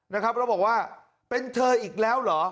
แล้วบอกว่าเป็นเธออีกแล้วเหรอ